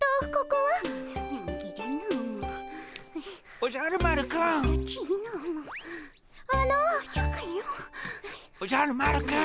おじゃる丸くん。